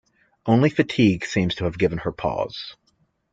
Only fatigue seems to have given her pause.